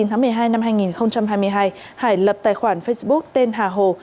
ngày hai mươi chín tháng một mươi hai năm hai nghìn hai mươi hai hải lập tài khoản facebook tên hà hồ